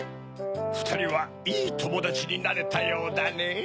ふたりはいいともだちになれたようだねぇ。